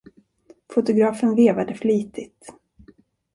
Fotografen vevade flitigt.